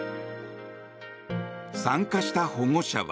参加した保護者は。